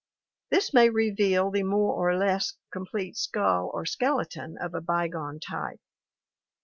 This may reveal the more or less complete skull or skeleton of a bygone type.